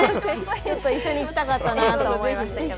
私も一緒に行きたかったなと思いましたけど。